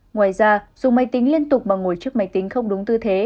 ngoài ra dù máy tính liên tục bằng ngồi trước máy tính không đúng tư thế